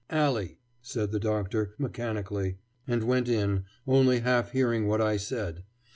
"Alley," said the Doctor, mechanically, and went in, only half hearing what I said.